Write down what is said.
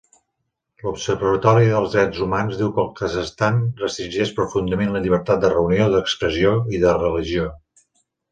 L'observatori dels Drets Humans diu que el Kazakhstan restringeix profundament la llibertat de reunió, d'expressió i de religió.